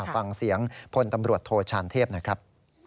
ฟังเสียงพลตำรวจโทชานเทพหน่อยครับ